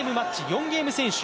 ４ゲーム先取。